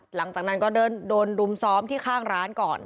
หลังจากนั้นก็โดนรุมซ้อมที่ข้างร้านก่อน